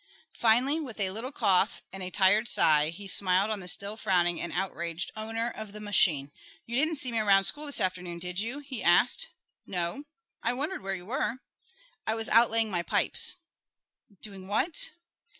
Finally, with a little cough and a tired sigh, he smiled on the still frowning and outraged owner of the machine. "You didn't see me around school this afternoon, did you?" he asked. "No. I wondered where you were." "I was out laying my pipes." "Doing what?"